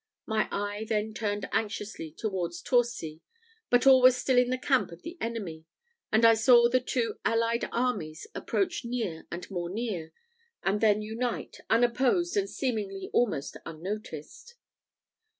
My eye then turned anxiously towards Torcy; but all was still in the camp of the enemy; and I saw the two allied armies approach near and more near, and then unite, unopposed and seemingly almost unnoticed.